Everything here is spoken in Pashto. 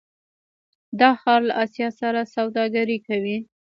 دا ښار له اسیا سره سوداګري کوي.